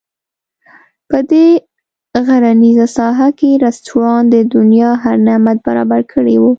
په دې غرنیزه ساحه کې رسټورانټ د دنیا هر نعمت برابر کړی وو.